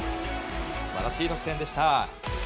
素晴らしい得点でした。